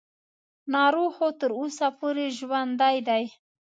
ناروغ خو تر اوسه پورې ژوندی دی.